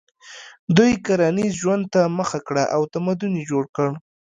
دوی کرنیز ژوند ته مخه کړه او تمدن یې جوړ کړ.